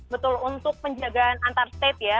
betul untuk penjagaan antar state ya